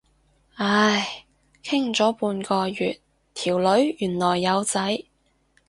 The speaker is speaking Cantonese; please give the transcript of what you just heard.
唉，傾咗半個月，條女原來有仔。